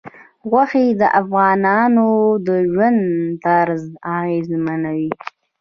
غوښې د افغانانو د ژوند طرز اغېزمنوي.